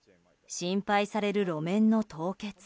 心配される路面の凍結。